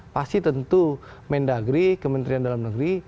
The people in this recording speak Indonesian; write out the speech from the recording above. pasti tentu mendagri kementerian dalam negeri